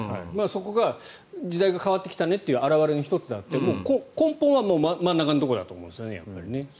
そこが時代が変わってきたねという表れの１つであって根本は真ん中のところだと思うんですよね。